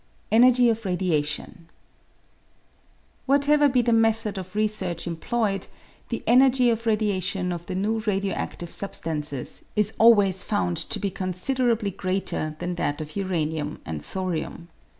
Energy of Radiation, Whatever be the method of research employed, the energy of radiation of the new radio adtive substances is always found to be considerably greater than that of uranium and thorium.